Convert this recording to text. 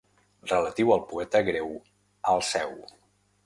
Relatiu al poeta greu Alceu.